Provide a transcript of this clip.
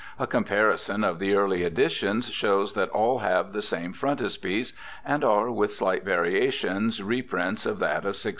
A comparison of the early editions shows that all have the same frontis piece and are, with slight variations, reprints of that of 1643.